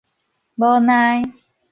無奈